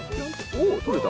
おう取れた。